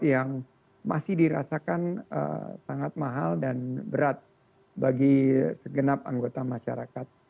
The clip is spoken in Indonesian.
yang masih dirasakan sangat mahal dan berat bagi segenap anggota masyarakat